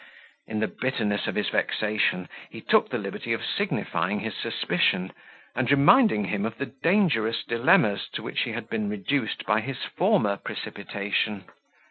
In the bitterness of his vexation, he took the liberty of signifying his suspicion, and reminding him of the dangerous dilemmas to which he had been reduced by his former precipitation.